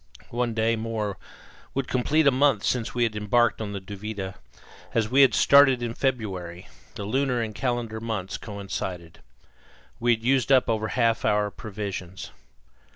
One day more would complete a month since we had embarked on the Duvida as we had started in February, the lunar and calendar months coincided. We had used up over half our provisions.